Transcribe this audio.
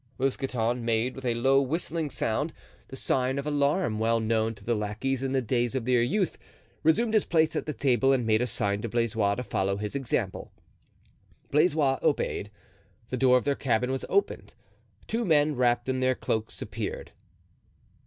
Mousqueton made, with a low whistling sound, the sign of alarm well known to the lackeys in the days of their youth, resumed his place at the table and made a sign to Blaisois to follow his example. Blaisois obeyed. The door of their cabin was opened. Two men, wrapped in their cloaks, appeared.